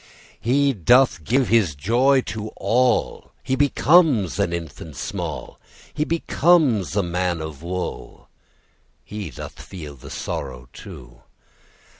He doth give His joy to all: He becomes an infant small, He becomes a man of woe, He doth feel the sorrow too.